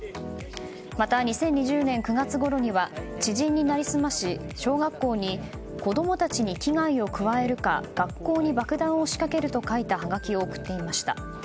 また、２０２０年９月ごろには知人に成り済まし小学校に子供たちに危害を加えるか学校に爆弾を仕掛けると書いたはがきを送っていました。